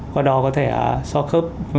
qua đó có thể so khớp